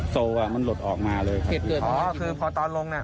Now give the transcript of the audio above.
โสลอ่ะมันหลดออกมาเลยคิดอ๋อคือพอตอนลงนี่